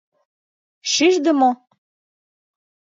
— Шижде мо!